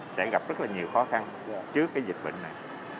sẽ gặp rất là nhiều khó khăn trước cái dịch bệnh này